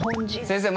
先生！